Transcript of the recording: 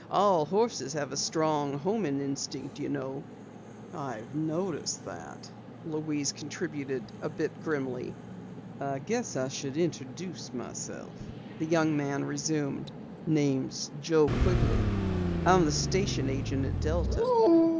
All horses have a strong homing instinct, you know." "I've noticed that," Louise contributed a bit grimly. "Guess I should introduce myself," the young man resumed. "Name's Joe Quigley. I'm the station agent at Delta."